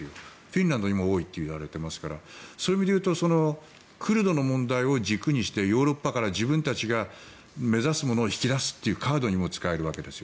フィンランドにも多いといわれていますからそういう意味でいうとクルドの問題を軸にしてヨーロッパから、自分たちが目指すものを引き出すというカードにも使えるわけです。